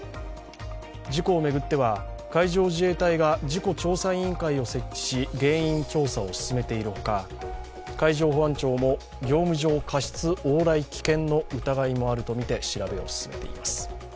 事故を巡っては海上自衛隊が事故調査委員会を設置し原因調査を進めているほか海上保安庁も業務上過失往来危険の疑いもあるとみて調べを進めています。